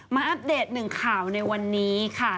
อัปเดตหนึ่งข่าวในวันนี้ค่ะ